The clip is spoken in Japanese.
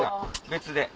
別で。